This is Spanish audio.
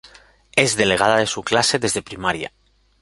Es delegada de su clase desde primaria.